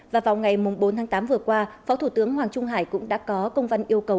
và vào ngày bốn tháng tám vừa qua phó thủ tướng hoàng trung hải cũng đã có công văn yêu cầu